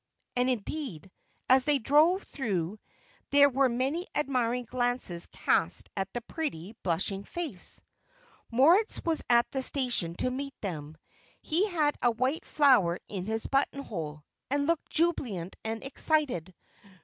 And, indeed, as they drove through there were many admiring glances cast at the pretty, blushing face. Moritz was at the station to meet them. He had a white flower in his buttonhole, and looked jubilant and excited.